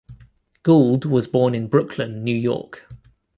Gould was born in Brooklyn, New York.